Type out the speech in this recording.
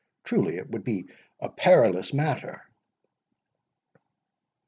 Truly it would be a perilous matter."